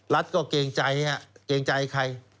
รัฐก็เกรงใจใคร